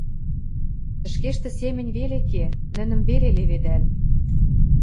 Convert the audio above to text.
Ӹшкештӹ семӹнь веле ке, нӹнӹм веле леведӓл...